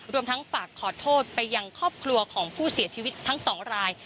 รวมทั้งฝากขอโทษไปยังครอบครัวของผู้เสียชีวิตทั้งสองราย